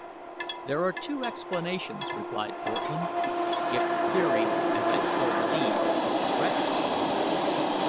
"There are two explanations," replied Cortlandt, "if the theory, as I still believe, is correct.